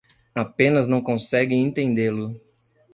Apenas não consegue entendê-lo